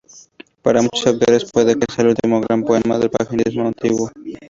Para muchos autores, puede que sea el último gran poema del paganismo antiguo.